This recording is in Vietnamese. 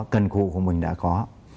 cân khu của mình đã có